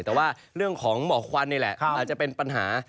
แต่ว่าเรื่องของหมอกควันนี่แหละอาจจะเป็นปัญหา